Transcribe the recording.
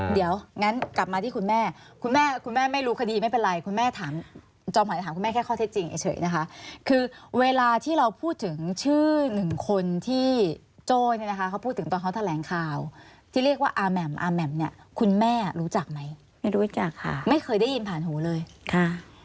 เดี๋ยวงั้นกลับมาที่คุณแม่คุณแม่ไม่รู้คดีไม่เป็นไรคุณแม่ถามจอมขวัญจะถามคุณแม่แค่ข้อเท็จจริงเฉยนะคะคือเวลาที่เราพูดถึงชื่อหนึ่งคนที่โจ้เนี่ยนะคะเขาพูดถึงตอนเขาแถลงข่าวที่เรียกว่าอาแหม่มอาแหม่มเนี่ยคุณแม่รู้จักไหมไม่รู้จักค่ะไม่เคยได้ยินผ่านหูเลยค่ะ